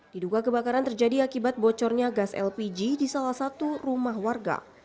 diduga kebakaran terjadi akibat bocornya gas lpg di salah satu rumah warga